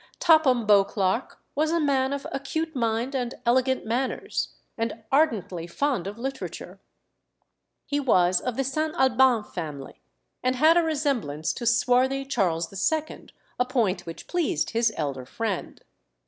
Topham Beauclerk was a man of acute mind and elegant manners, and ardently fond of literature. He was of the St. Albans family, and had a resemblance to swarthy Charles II., a point which pleased his elder friend.